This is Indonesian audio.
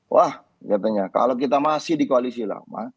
wah katanya kalau kita masih di koalisi lama